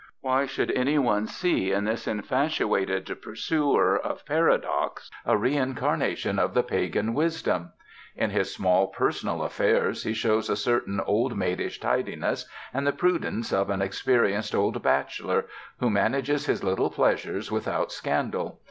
Why should any one see in this infatuated pursuer of paradox a reincarnation of the pagan wisdom? In his small personal affairs he shows a certain old maidish tidiness and the prudence of an experienced old bachelor, who manages his little pleasures without scandal.